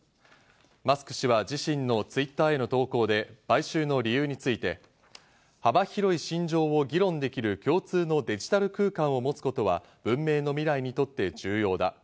マスク氏は自身のＴｗｉｔｔｅｒへの投稿で買収の理由について、幅広い信条を議論できる共通のデジタル空間を持つことは文明の未来にとって重要だ。